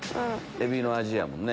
エビの味やもんね。